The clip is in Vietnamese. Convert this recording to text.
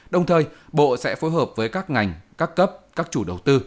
đồng thời bộ sẽ phối hợp với các ngành các cấp các chủ đầu tư